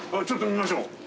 ちょっと見ましょう。